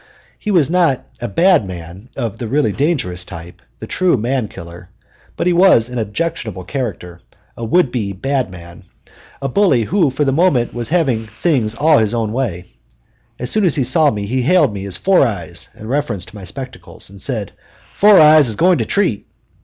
He was not a "bad man" of the really dangerous type, the true man killer type, but he was an objectionable creature, a would be bad man, a bully who for the moment was having things all his own way. As soon as he saw me he hailed me as "Four eyes," in reference to my spectacles, and said, "Four eyes is going to treat."